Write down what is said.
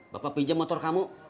bapak pinjam motor kamu